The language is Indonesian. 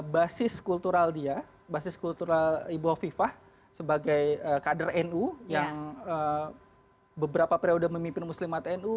basis kultural dia basis kultural ibu hovifah sebagai kader nu yang beberapa periode memimpin muslimat nu